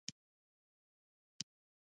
د تاجکستان د خارجه وزارت